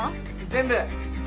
全部！？